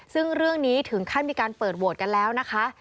ซึ่งเรื่องนี้ถึงขั้นมีการเปิดโหวตกันแล้วนะคะ